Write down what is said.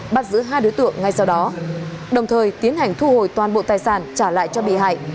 bắt giữ hai đối tượng ngay sau đó đồng thời tiến hành thu hồi toàn bộ tài sản trả lại cho bị hại